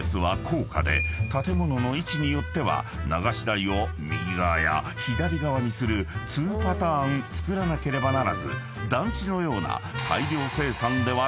［建物の位置によっては流し台を右側や左側にする２パターン造らなければならず団地のような］